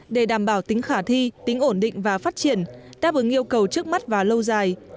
để đảm bảo tính khả thi tính ổn định và phát triển đáp ứng yêu cầu trước mắt và lâu dài